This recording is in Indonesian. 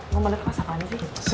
gue menurut pasangan sih